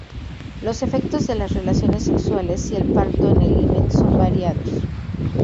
Los efectos de las relaciones sexuales y el parto en el himen son variados.